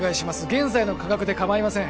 現在の価格で構いません